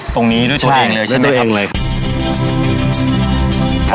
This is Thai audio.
ตรงนี้ด้วยตัวเองเลยใช่ไหมคะ